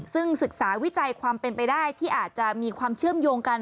ซึ่งศึกษาวิจัยความเป็นไปได้ที่อาจจะมีความเชื่อมโยงกัน